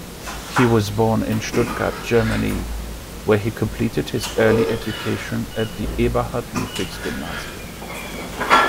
He was born in Stuttgart, Germany, where he completed his early education at Eberhard-Ludwigs-Gymnasium.